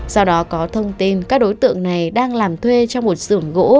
sau đó có thông tin các đối tượng này đang làm thuê trong một xưởng gỗ